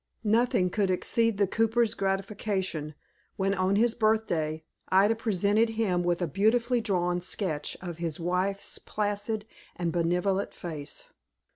Nothing could exceed the cooper's gratification when, on his birthday, Ida presented him with a beautifully drawn sketch of his wife's placid and benevolent face.